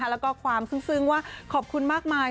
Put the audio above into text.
แล้วก็ความซึ้งว่าขอบคุณมากมาย